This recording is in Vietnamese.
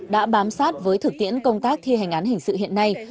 đã bám sát với thực tiễn công tác thi hành án hình sự hiện nay